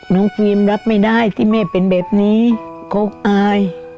ฟิล์มรับไม่ได้ที่แม่เป็นแบบนี้เขาอาย